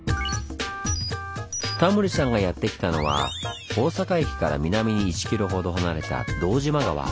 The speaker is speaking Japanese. タモリさんがやって来たのは大阪駅から南に１ｋｍほど離れた堂島川。